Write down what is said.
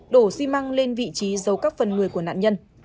đổ xi măng lên vị trí giấu các phần người của nạn nhân